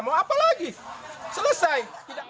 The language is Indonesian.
mau apa lagi selesai